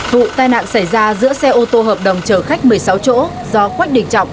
vụ tai nạn xảy ra giữa xe ô tô hợp đồng chở khách một mươi sáu chỗ do quách đình trọng